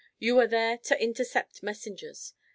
You are there to intercept messengers.